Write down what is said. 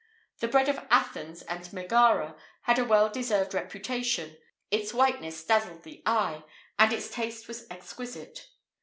The bread of Athens and Megara had a well deserved reputation: its whiteness dazzled the eye, and its taste was exquisite.